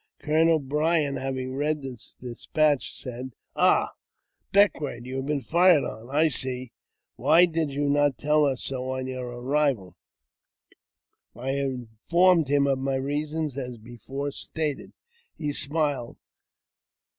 Colonel Bryant, having read the despatch, said, " Ah, Beck wourth, you have been fired on, I see ! why did you not tell us so on your arrival ?" I informed him of my reasons, as before stated. He smiled.